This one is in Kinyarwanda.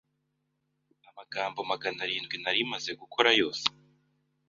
Urugendo rwose mwagira icyo gihe